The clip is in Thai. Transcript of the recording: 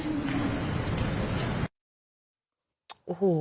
อุฮู